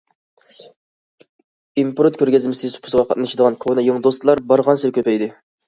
ئىمپورت كۆرگەزمىسى سۇپىسىغا قاتنىشىدىغان كونا- يېڭى دوستلار بارغانسېرى كۆپەيدى.